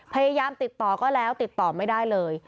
พยายามติดต่อก็แล้วติดต่อไม่ได้เลย